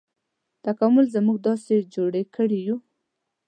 تکامل موږ داسې جوړ کړي یوو.